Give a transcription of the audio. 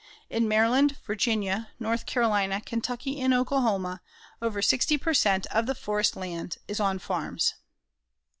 In Maryland, Virginia, North Carolina, Kentucky and Oklahoma, over 60 per cent. of all the forest land is on farms.